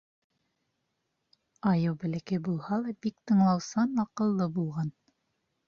Айыу бәләкәй булһа ла бик тыңлаусан, аҡыллы булған.